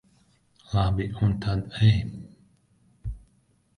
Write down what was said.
Labi, un tad ej.